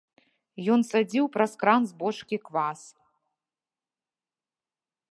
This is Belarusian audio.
Ён цадзіў праз кран з бочкі квас.